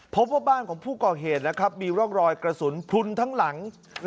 พบว่าบ้านของผู้ก่อเหตุมีร่องรอยกระสุนพลุนทั้งหลัง